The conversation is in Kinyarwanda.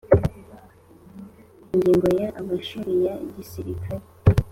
Ingingo ya amashuli ya gisirikare